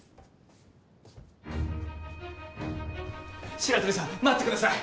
白鳥さん待ってください。